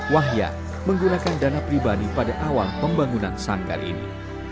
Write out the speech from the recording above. wahya menggunakan dana pribadi pada awal pembangunan sanggar ini